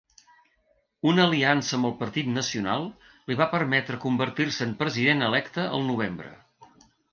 Una aliança amb el Partit Nacional li va permetre convertir-se en president electe el novembre.